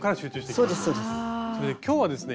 それで今日はですね